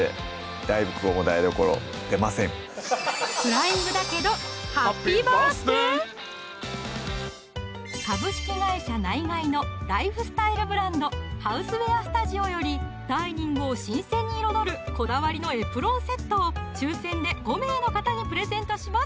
ＤＡＩＧＯも台所出ません（スタフライングだけどナイガイのライフスタイルブランド「ＨＯＵＳＥＷＥＡＲＳＴＵＤＩＯ」よりダイニングを新鮮に彩るこだわりのエプロンセットを抽選で５名の方にプレゼントします